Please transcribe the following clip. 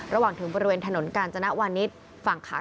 ระหว่างถึงบริเวณถนนกาลจนหวังณิชย์